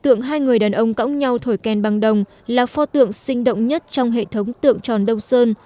tượng hai người đàn ông cõng nhau thổi kèn bằng đồng là pho tượng sinh động nhất trong hệ thống tượng tròn đông sơn